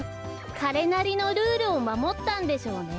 かれなりのルールをまもったんでしょうね。